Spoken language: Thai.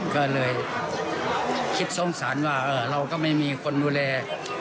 ก็เลยคิดสงสารว่าเราก็ไม่มีคนดูแล